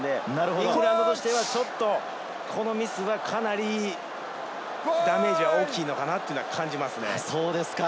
イングランドとしては、このミスがかなりダメージは大きいのかなと感じますね。